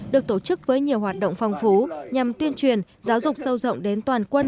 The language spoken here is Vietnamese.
được tổ chức với nhiều hoạt động phong phú nhằm tuyên truyền giáo dục sâu rộng đến toàn quân